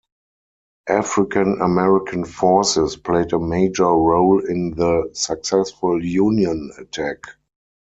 African-American forces played a major role in the successful Union attack.